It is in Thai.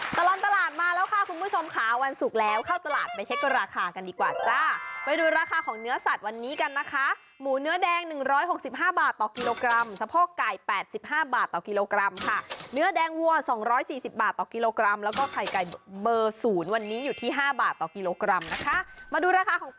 ตลอดตลาดมาแล้วค่ะคุณผู้ชมค่ะวันศุกร์แล้วเข้าตลาดไปเช็คราคากันดีกว่าจ้าไปดูราคาของเนื้อสัตว์วันนี้กันนะคะหมูเนื้อแดง๑๖๕บาทต่อกิโลกรัมสะโพกไก่๘๕บาทต่อกิโลกรัมค่ะเนื้อแดงวัว๒๔๐บาทต่อกิโลกรัมแล้วก็ไข่ไก่เบอร์ศูนย์วันนี้อยู่ที่๕บาทต่อกิโลกรัมนะคะมาดูราคาของ